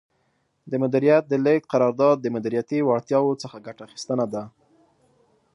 د مدیریت د لیږد قرار داد د مدیریتي وړتیاوو څخه ګټه اخیستنه ده.